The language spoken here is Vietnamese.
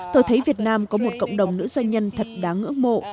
tôi thấy việt nam có một cộng đồng nữ doanh nhân thật đáng ngưỡng mộ